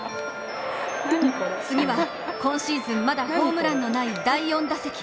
次は、今シーズンまだホームランのない第４打席。